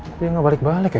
kok dia ga balik balik ya